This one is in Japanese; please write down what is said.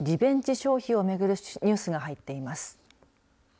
消費をめぐるニュースが入っています。